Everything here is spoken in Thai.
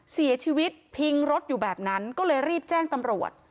เสียชีวิตพิงรถอยู่แบบนั้นก็เลยรีบแจ้งตำรวจ